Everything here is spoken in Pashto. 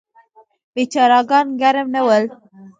بیچاره ګان ګرم نه ول.